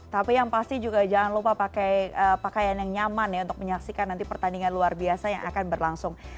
tapi yang pasti juga jangan lupa pakai pakaian yang nyaman ya untuk menyaksikan nanti pertandingan luar biasa yang akan berlangsung